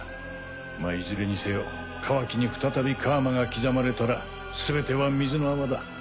まあいずれにせよカワキに再び楔が刻まれたらすべては水の泡だ。